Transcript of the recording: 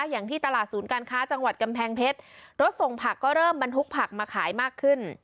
อย่างที่ตลาดศูนย์การค้าจังหวัดกำแพงเพชรรถส่งผักก็เริ่มบรรทุกผักมาขายมากขึ้น